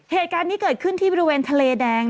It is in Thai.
เหตุการณ์นี้เกิดขึ้นที่บริเวณทะเลแดง